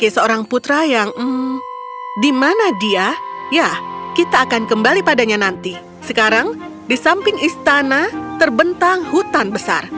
samping istana terbentang hutan besar